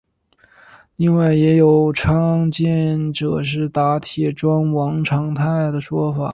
另外也有倡建者是打铁庄王长泰的说法。